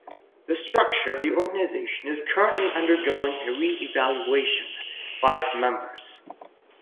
The structure of the organization is currently undergoing a re-evaluation by its members.